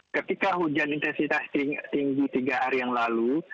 ketika hujan intensitas tinggi tiga hari yang lalu